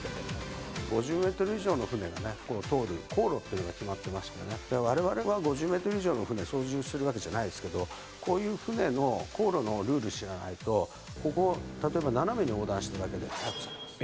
５０メートル以上の船が通る航路っていうのが決まってましてね、われわれは５０メートル以上の船、操縦するわけじゃないですけど、こういう船の航路のルール知らないと、ここ、例えば斜めに横断しただけで逮捕です。